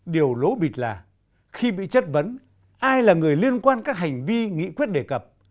điều lố bịt là khi bị chất vấn ai là người liên quan các hành vi nghị quyết đề cập